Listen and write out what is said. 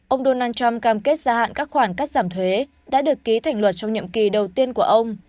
ông donald trump cam kết giả hạn các khoản các giảm thuế đã được ký thành luật trong nhậm kỳ đầu tiên của ông